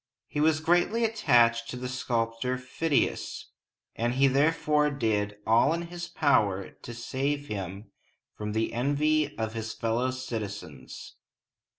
He was greatly attached to the sculptor Phidias, and he therefore did all in his power to save him from the envy of his fellow citizens.